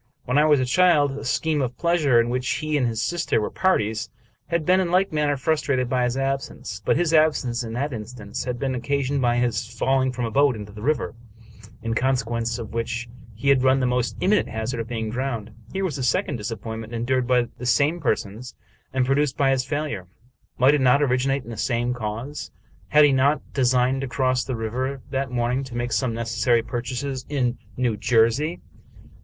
When I was a child, a scheme of pleasure, in which he and his sister were parties, had been in like manner frustrated by his absence; but his absence, in that instance, had been occasioned by his falling from a boat into the river, in consequence of which he had run the most imminent hazard of being drowned. Here was a second disappointment endured by the same persons, and produced by his failure. Might it not originate in the same cause? Had he not designed to cross the river that morn ing to make some necessary purchases in New Jersey?